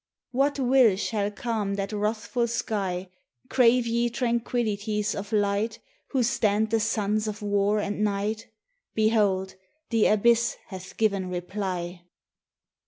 What will shall calm that wrathful sky? Crave ye tranquillities of light Who stand the sons of war and night? Behold! the Abyss hath given reply.